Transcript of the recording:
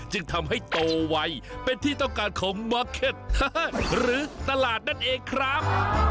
จึงทำให้โตไวเป็นที่ต้องการของมาร์เก็ตหรือตลาดนั่นเองครับ